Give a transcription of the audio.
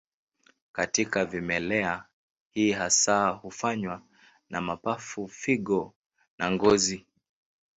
Katika vimelea hii hasa hufanywa na mapafu, figo na ngozi.